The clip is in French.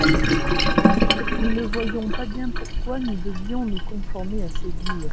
nous ne voyions pas bien pourquoi nous devions nous conformer à ses dires.